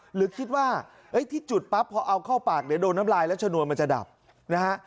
หรือคิดว่าที่จุดปั๊บพอเอาเข้าปากเดี๋ยวโดนน้ำลายแล้วชนวนมันจะดับนะฮะ